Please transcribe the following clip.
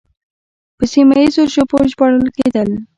په سیمه ییزو ژبو ژباړل کېدل